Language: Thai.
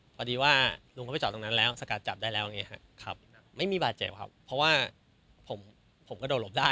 เฮ้ยพอดีว่าลุงเขาไปจอดตรงนั้นแล้วสกัดจับได้แล้วไม่มีบาดเจ็บครับเพราะว่าผมก็โดดหลบได้